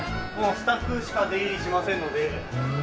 もうスタッフしか出入りしませんので。